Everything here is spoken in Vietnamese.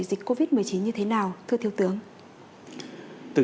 xin chào quý vị và hẹn gặp lại chiến tranh sau